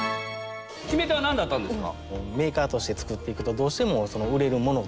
決め手は何だったんですか？